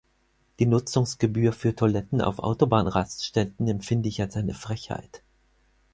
Die Nutzungsgebühr für Toiletten auf Autobahnraststätten empfinde ich als eine Frechheit.